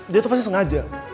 dia itu pasti sengaja